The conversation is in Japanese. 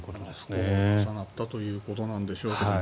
不幸が重なったということでしょうけども。